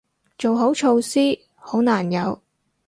做好措施，好難有